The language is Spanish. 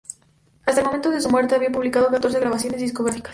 Hasta el momento de su muerte, había publicado catorce grabaciones discográficas.